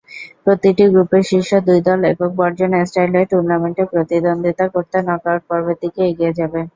প্রতিটি গ্রুপের শীর্ষ দুই দল একক-বর্জন স্টাইলে টুর্নামেন্টে প্রতিদ্বন্দ্বিতা করতে নকআউট পর্বের দিকে এগিয়ে যাবে।